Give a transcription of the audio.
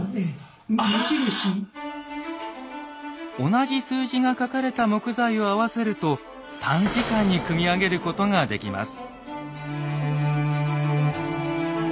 同じ数字が書かれた木材を合わせると短時間に組み上げることができます。